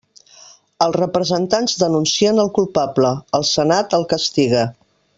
Els representants denuncien el culpable, el Senat el castiga.